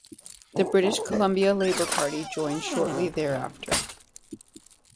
The British Columbia Labour Party joined shortly thereafter.